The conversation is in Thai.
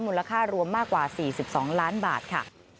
มูลค่ารวมมากกว่าสี่สิบสองล้านบาทค่ะ